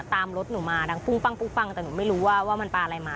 ตามรถหนูมาดังปุ้งปั้งแต่หนูไม่รู้ว่ามันปลาอะไรมา